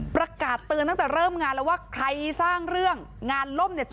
ประกาศเตือนตั้งแต่เริ่มงานแล้วว่าใครสร้างเรื่องงานล่มเนี่ย